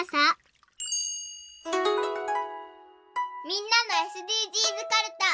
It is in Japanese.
みんなのＳＤＧｓかるた。